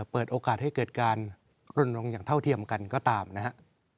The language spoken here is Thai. เปิดโอกาสให้เกิดการรณรงค์อย่างเท่าเทียมกันก็ตามนะครับ